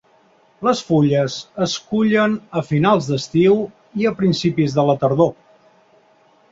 Les fulles es cullen a finals d'estiu i principi de la tardor.